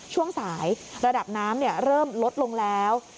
ช่วงสายระดับน้ำเริ่มลดลงแล้ว